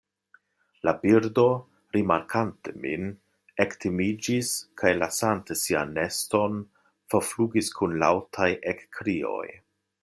La birdo, rimarkante min, ektimiĝis, kaj lasante sian neston forflugis kun laŭtaj ekkrioj.